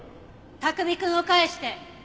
卓海くんを返して。